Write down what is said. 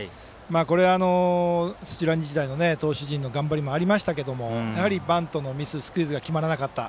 これは土浦日大の投手陣の頑張りもありましたけどやはりバントのミススクイズが決まらなかった。